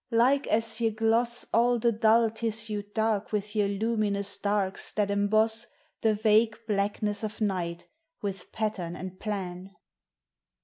like as ye gloss All the dull tissued dark with your luminous darks that emboss The vague blackness of night with pattern and plan.